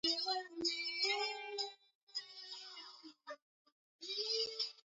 shirika linalo angazia maswali ya waandishi wa habari la press emblem kampeini